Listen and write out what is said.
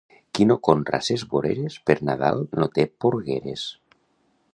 Qui no conra ses voreres, per Nadal no té porgueres.